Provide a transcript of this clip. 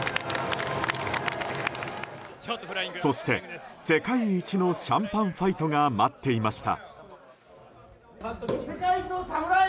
そして世界一のシャンパンファイトが待っていました。